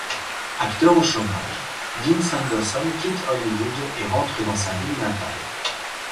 Acteur au chômage, Dean Sanderson quitte Hollywood et rentre dans sa ville natale.